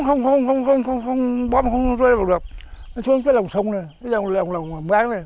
còn cái lồng vũ khí cái lồng vũ khí cái lồng vũ khí cái lồng vũ khí